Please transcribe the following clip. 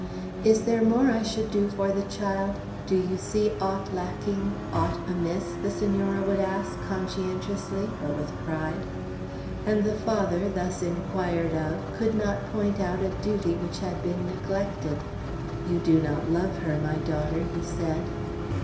"Is there more I should do for the child? Do you see aught lacking, aught amiss?" the Senora would ask, conscientiously, but with pride. And the Father, thus inquired of, could not point out a duty which had been neglected. "You do not love her, my daughter," he said.